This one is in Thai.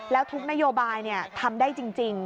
แล้วทุกนโยบายทำได้จริง